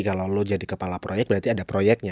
kalau lo jadi kepala proyek berarti ada proyeknya